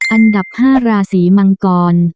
อันดับ๕ราศีมังกร